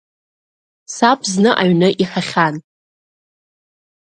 Саб зны аҩны иҳәахьан…